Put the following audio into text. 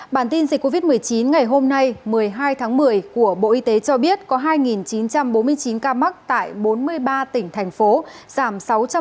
bản tin dịch covid một mươi chín ngày hôm nay một mươi hai tháng một mươi của bộ y tế cho biết có hai chín trăm bốn mươi chín ca mắc tại bốn mươi ba tỉnh thành phố